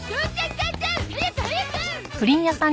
母ちゃん早く早く！